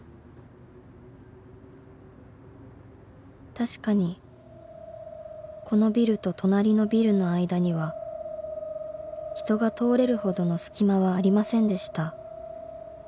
［確かにこのビルと隣のビルの間には人が通れるほどの隙間はありませんでした］